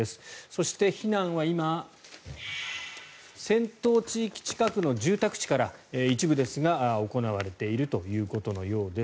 そして避難は今戦闘地域近くの住宅地から一部ですが行われているということのようです。